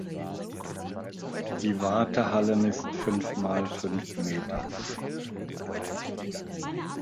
Die Wartehalle misst fünf mal fünf Meter.